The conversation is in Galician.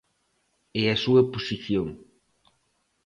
E a súa posición.